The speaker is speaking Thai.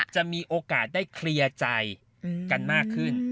จะมีโอกาสได้เคลียร์ใจกันมากขึ้น